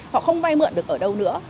họ không vay mượn được ở đâu nữa